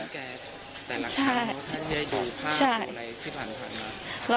แกแต่ละครั้งที่ได้อยู่ภาพโดยอะไรที่ผ่านมา